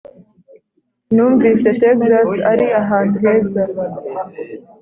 numvise texas ari ahantu heza.